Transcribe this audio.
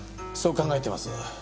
そう考えてます。